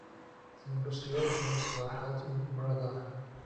The negotiations were held in Breda.